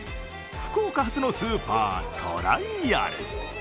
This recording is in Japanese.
福岡発のスーパー、トライアル。